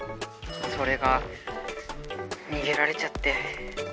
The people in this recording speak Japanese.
「それがにげられちゃって」。